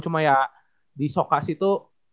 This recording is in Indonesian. cuma ya di soka situ